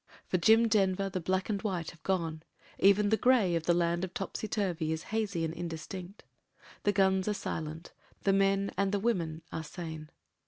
For Ji Denver the black and white have gone ; even the gn of the Land of Topsy Turvy is hazy and indistuK The guns are silent: the men and the women are sane.